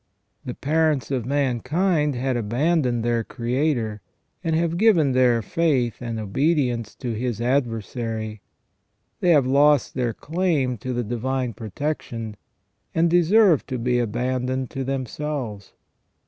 The parents of mankind have abandoned their Creator, and have given their faith and obedience to His adversary; they have lost their claim to the divine protection, and deserve to be aban doned to themselves.